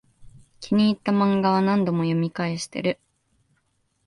気に入ったマンガは何度も読み返してる